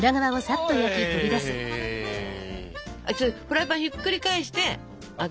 フライパンひっくり返してあけるのよ